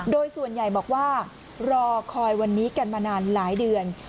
โดยส่วนใหญ่บอกว่ารอคอยวันนี้กันมานานหลายเดือน